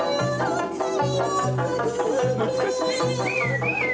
懐かしい。